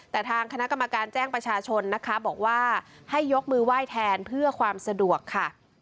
แต่ทางคณะกรรมการแจ้งประชาชนนะคะบอกว่าให้ยกมือไหว้แทนเพื่อความสะดวกค่ะ